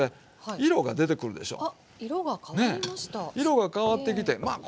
色が変わってきてまあ